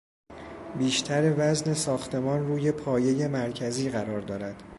بیشتر وزن ساختمان روی پایهی مرکزی قرار دارد.